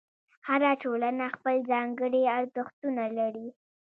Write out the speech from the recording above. هره ټولنه خپل ځانګړي ارزښتونه لري.